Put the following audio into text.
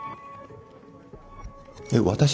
えっ私？